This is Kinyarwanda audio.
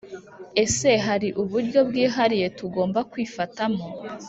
Ese hari uburyo bwihariye tugomba kwifatamo